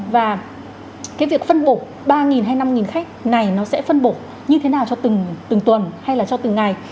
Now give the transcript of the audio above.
và cái việc phân bổ ba hay năm khách này nó sẽ phân bổ như thế nào cho từng tuần hay là cho từng ngày